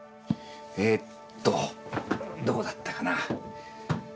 えっとどこだったかな？